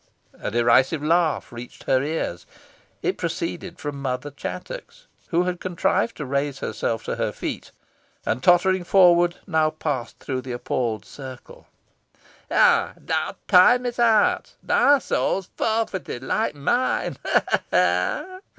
A derisive laugh reached her ears. It proceeded from Mother Chattox, who had contrived to raise herself to her feet, and, tottering forward, now passed through the appalled circle. "Ay, thy term is out thy soul is forfeited like mine ha! ha!"